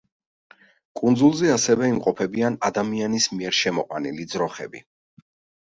კუნძულზე ასევე იმყოფებიან ადამიანის მიერ შემოყვანილი ძროხები.